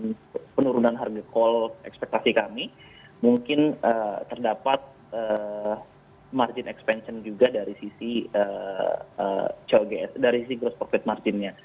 dan juga dengan penurunan harga call ekspektasi kami mungkin terdapat margin expansion juga dari sisi gross profit margin